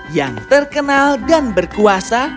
yang terkenal dan berkuasa